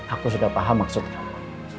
aku sudah paham maksud kamu